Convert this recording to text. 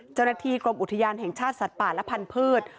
เจ้าหน้าที่กรมอุทยานแห่งชาติสัตว์ป่าและพันธุ์